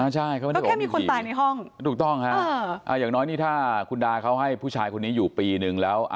ก็แค่มีคนตายในห้องถูกต้องค่ะอย่างน้อยนี่ถ้าคุณดาเขาให้ผู้ชายคนนี้อยู่ปีนึงแล้ว